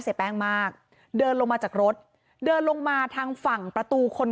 เสียแป้งมากเดินลงมาจากรถเดินลงมาทางฝั่งประตูคน